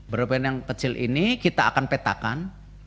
bropen yang kecil ini kita akan petakan